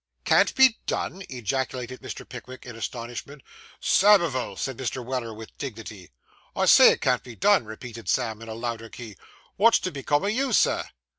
'Can't be done!' ejaculated Mr. Pickwick in astonishment. 'Samivel!' said Mr. Weller, with dignity. 'I say it can't be done,' repeated Sam in a louder key. 'Wot's to become of you, Sir?